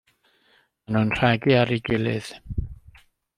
Mae nhw'n rhegi ar ei gilydd.